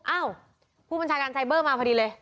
อ้าวผู้บัญชาการไซเบอร์มาพอดีเลย